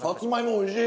おいしい。